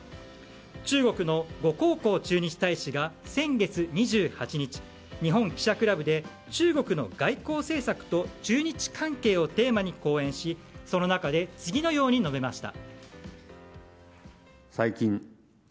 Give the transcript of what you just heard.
中国のゴ駐日大使は先月２８日日本記者クラブで中国の外交政策と中日関係をテーマに講演し、その中で次のように述べました。